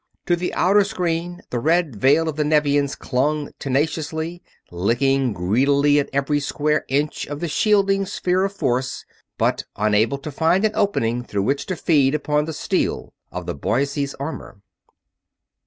To the outer screen the red veil of the Nevians clung tenaciously, licking greedily at every square inch of the shielding sphere of force, but unable to find an opening through which to feed upon the steel of the Boise's armor.